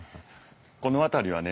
この辺りはね